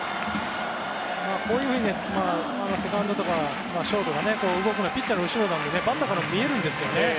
セカンドとかショートが動くのはピッチャーの後ろなのでバッターから見えるんですよね。